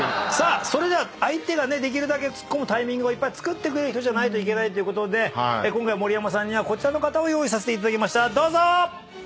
それでは相手がねできるだけツッコむタイミングをいっぱいつくってくれる人じゃないといけないということで今回盛山さんにはこちらの方を用意させていただきました。